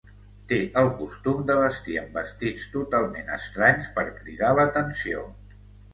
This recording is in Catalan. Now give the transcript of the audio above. Té el costum de vestir amb vestits totalment estranys per cridar l'atenció.